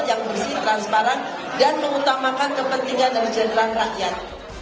yang bersih transparan dan mengutamakan kepentingan dari jenderal rakyat